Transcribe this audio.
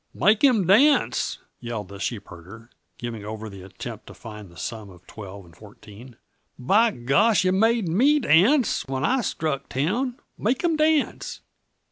"Make 'im dance!" yelled the sheepherder, giving over the attempt to find the sum of twelve and fourteen. "By gosh, yuh made me dance when I struck town. Make 'im dance!"